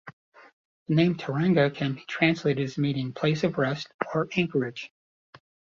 The name Tauranga can be translated as meaning 'place of rest' or 'anchorage'.